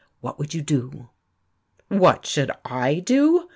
What would you do?" "What should I do?"